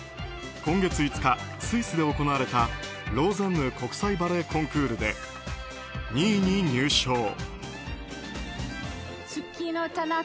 今月５日、スイスで行われたローザンヌ国際バレエコンクールで２位に入賞。